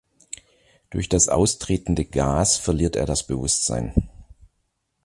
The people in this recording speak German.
Durch das austretende Gas verliert er das Bewusstsein.